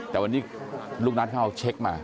แต่วันนี้ลูกนัทเขาเอาเช็คมา